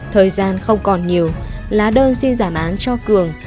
thời gian không còn nhiều lá đơn xin giảm án cho cường